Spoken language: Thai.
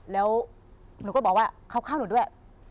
แล้วหนูก็บอกว่าเขาเข้าหนูด้วย